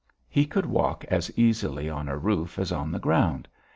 He could walk as easily on a roof as on the ground.